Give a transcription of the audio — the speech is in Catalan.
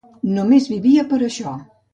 Només vivia per això.